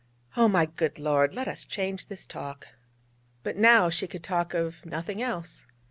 Oh, my good Lord! let us change this talk....' But now she could talk of nothing else.